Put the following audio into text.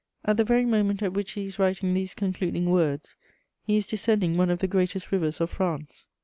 At the very moment at which he is writing these concluding words he is descending one of the greatest rivers of France.